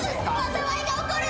災いが起こる！